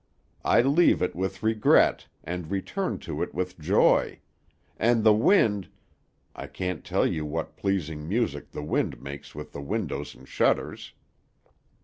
I leave it with regret, and return to it with joy; and the wind I can't tell you what pleasing music the wind makes with the windows and shutters.